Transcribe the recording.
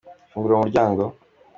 Fungura uwo muryango.